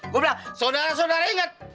gua bilang saudara saudara inget